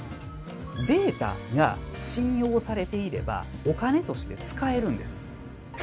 データが信用されていればお金として使えるんです。